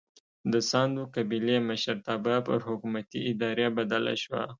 د ساندو قبیلې مشرتابه پر حکومتي ادارې بدله شوه.